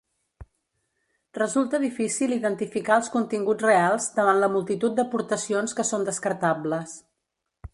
Resulta difícil identificar els continguts reals davant la multitud d'aportacions que són descartables.